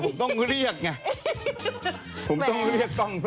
ผมต้องเรียกกล้องสักนิดนึง